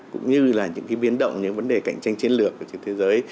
cũng như là những biến động những vấn đề cạnh tranh chiến lược trên thế giới